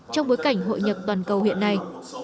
trong bối cảnh hội nhập toàn cầu hiện nay